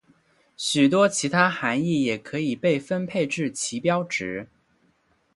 许多其他含意也可以被分配至旗标值。